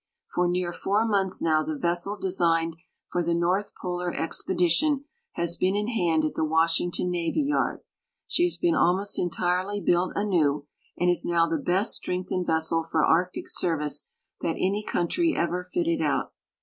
For near four months now the vessel designed for the North Polar E.vpedition has been in hand at the Washington navj" yard. She has been almost entireh^ built anew, and is now the best strengthened vessel for Arctic service that any country ever fitted out.